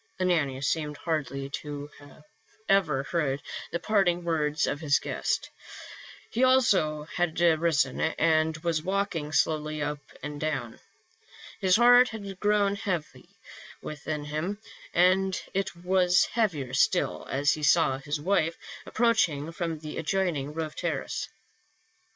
Ananias seemed hardly to have heard the parting words of his guest ; he also had risen and was walking slowly up and down. His heart had grown heavy within him, and it was heavier still as he saw his wife approaching from the adjoining roof terrace.